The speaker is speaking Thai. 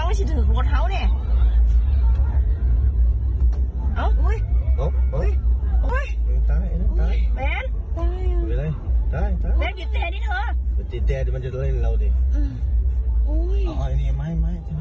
อ้าวแมนเรียกยังไม่สิทธิ์พวกเขาเนี่ย